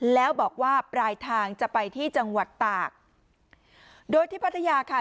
แล้วบอกว่าปลายทางจะไปที่จังหวัดตากโดยที่พัทยาค่ะ